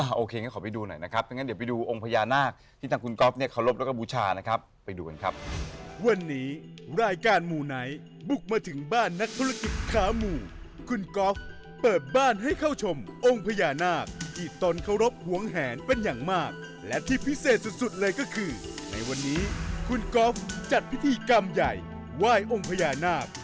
อ่าโอเคงั้นขอไปดูหน่อยนะครับอย่างนั้นเดี๋ยวไปดูองค์พญานาคที่ท่านคุณก๊อฟเขารพและก็บูชานะครับไปดูกันครับ